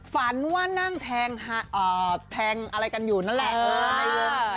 ฝันว่านั่งแทงอะไรกันอยู่นั่นแหละ